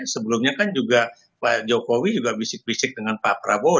sebelumnya kan juga pak jokowi juga bisik bisik dengan pak prabowo